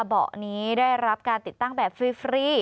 เบาะนี้ได้รับการติดตั้งแบบฟรี